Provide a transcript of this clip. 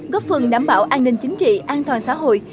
góp phần đảm bảo an ninh chính trị an toàn xã hội